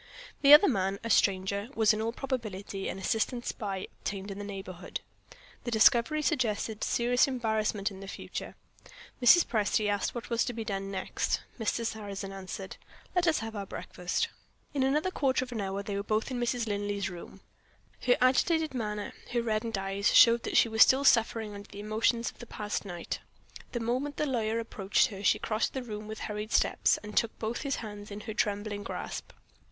The other man a stranger was in all probability an assistant spy obtained in the neighborhood. This discovery suggested serious embarrassment in the future. Mrs. Presty asked what was to be done next. Mr. Sarrazin answered: "Let us have our breakfast." In another quarter of an hour they were both in Mrs. Linley's room. Her agitated manner, her reddened eyes, showed that she was still suffering under the emotions of the past night. The moment the lawyer approached her, she crossed the room with hurried steps, and took both his hands in her trembling grasp.